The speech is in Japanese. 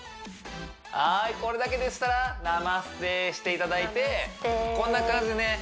はいこれだけでそしたらナマステしていただいてこんな感じでね